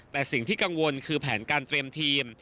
แต่สิ่งที่กังวลคือแผนการเตรียมทีม